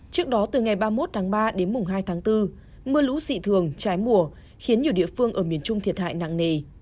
trước đó từ ngày ba mươi một tháng ba đến mùng hai tháng bốn mưa lũ dị thường trái mùa khiến nhiều địa phương ở miền trung thiệt hại nặng nề